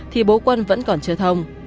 thì bố quân vẫn còn chưa thông